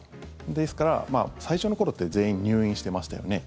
ですから最初の頃って全員入院してましたよね。